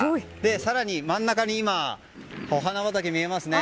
更に真ん中にお花畑が見えますね。